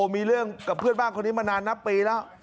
มีเรื่องกับเพื่อนบ้านคนนี้มานานนับปีแล้ว